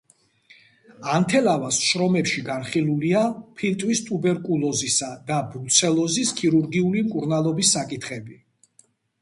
ანთელავას შრომებში განხილულია ფილტვის ტუბერკულოზისა და ბრუცელოზის ქირურგიული მკურნალობის საკითხები.